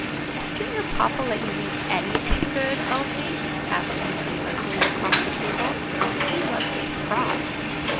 "Doesn't your papa let you eat anything good, Elsie?" asked Mary Leslie across the table. "He must be cross."